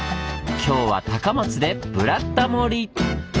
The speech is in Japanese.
今日は高松で「ブラタモリ」！